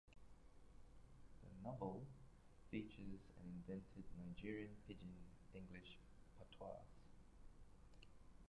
The novel features an invented Nigerian pidgin English patois.